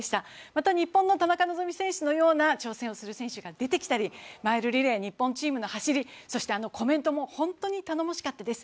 また日本の田中希実選手のような挑戦する選手が出てきたりマイルリレー、日本チームの走りそしてあのコメントも本当に頼もしかったです。